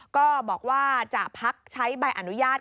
ก็บอกว่าจะพักใช้ใบอนุญาต